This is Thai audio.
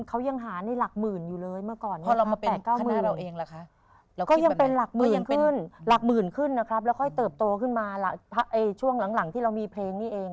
ครับแล้วค่อยเติบโตขึ้นมาช่วงหลังที่เรามีเพลงนี้เอง